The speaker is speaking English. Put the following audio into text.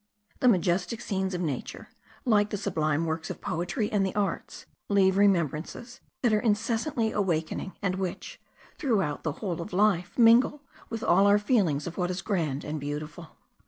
The majestic scenes of nature, like the sublime works of poetry and the arts, leave remembrances that are incessantly awakening, and which, through the whole of life, mingle with all our feelings of what is grand and beautiful.